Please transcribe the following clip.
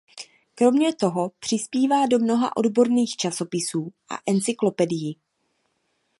Kromě toho přispívá do mnoha odborných časopisů a encyklopedií.